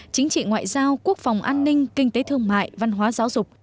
chính trị ngoại giao quốc phòng an ninh kinh tế thương mại văn hóa giáo dục